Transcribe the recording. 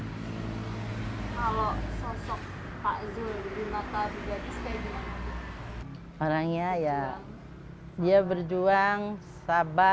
kalau sosok pak zul dari mata bidadi sepertinya gimana